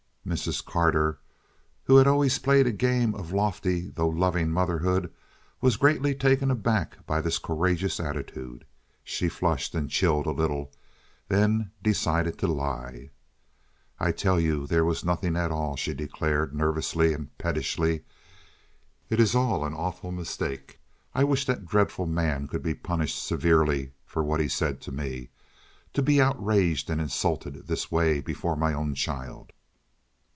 Mrs. Carter, who had always played a game of lofty though loving motherhood, was greatly taken aback by this courageous attitude. She flushed and chilled a little; then decided to lie. "I tell you there was nothing at all," she declared, nervously and pettishly. "It is all an awful mistake. I wish that dreadful man could be punished severely for what he said to me. To be outraged and insulted this way before my own child!"